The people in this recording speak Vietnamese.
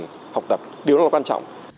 tăng tính học tập điều đó rất quan trọng